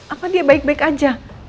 apa dia baik baik aja